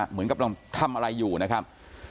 เหมือนกับทำอะไรอยู่นะครับ